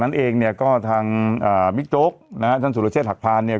นั่นเองเนี่ยก็ทางบิ๊กโจ๊กนะฮะท่านสุรเชษฐหักพานเนี่ย